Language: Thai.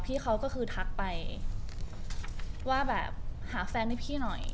พี่เขาก็คือทักไปว่าแบบหาแฟนให้พี่หน่อย